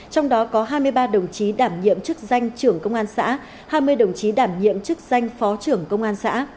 trong đó có hai mươi ba đồng chí đảm nhiệm chức danh trưởng công an xã hai mươi đồng chí đảm nhiệm chức danh phó trưởng công an xã